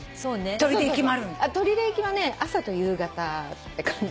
取手行きはね朝と夕方って感じ。